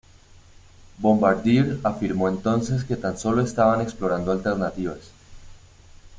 Bombardier afirmó entonces que tan solo estaban explorando alternativas.